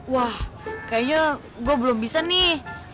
wah kayaknya gue belum bisa nih